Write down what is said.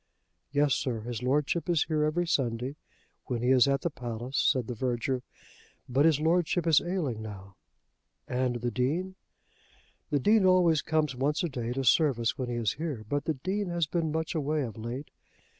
"Yes, sir; his Lordship is here every Sunday when he is at the palace," said the verger. "But his Lordship is ailing now." "And the Dean?" "The Dean always comes once a day to service when he is here; but the Dean has been much away of late.